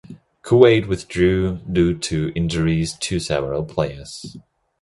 Kuwait withdrew due to injuries to several players.